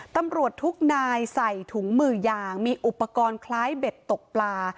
ตำรวจทุกนายใส่ถุงมือยางมีอุปกรณ์คล้ายเบ็ดตกปลา